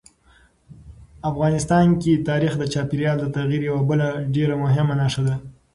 افغانستان کې تاریخ د چاپېریال د تغیر یوه بله ډېره مهمه نښه ده.